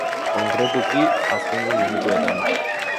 Konkretuki, azken lau minutuetan.